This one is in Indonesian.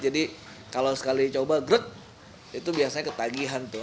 jadi kalau sekali coba itu biasanya ketagihan tuh